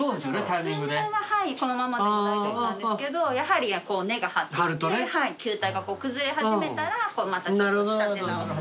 数年はこのままでも大丈夫なんですけどやはり根が張ってきて球体が崩れ始めたらまたちょっと仕立て直す。